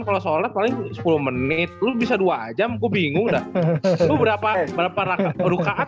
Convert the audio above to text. kalau sholat paling sepuluh menit lu bisa dua jam gue bingung dah